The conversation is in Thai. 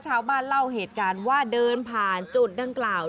ชาวบ้านเล่าเหตุการณ์ว่าเดินผ่านจุดดังกล่าว